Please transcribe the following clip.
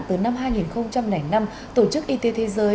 từ năm hai nghìn năm tổ chức it thế giới